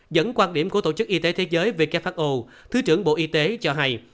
dẫn quan điểm của tổ chức y tế thế giới who thứ trưởng bộ y tế cho hay